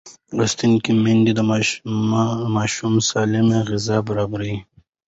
لوستې میندې د ماشوم سالمه غذا برابروي.